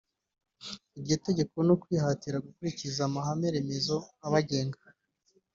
iryo tegeko no kwihatira gukurikiza amahame-remezo abagenga